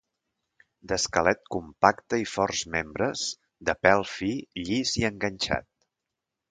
D'esquelet compacte i forts membres; de pèl fi, llis i enganxat.